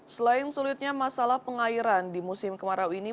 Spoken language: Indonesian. selain sulitnya masalah pengairan di musim kemarau ini